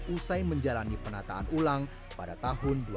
usai menjalani penataan ulang pada tahun dua ribu